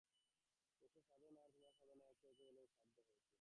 দেশের সাধনা আর তোমার সাধনা এক হয়েছে বলেই দেশ এর মধ্যে আছে।